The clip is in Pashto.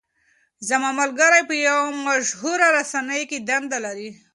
زما ملګری په یوه مشهوره رسنۍ کې دنده لري.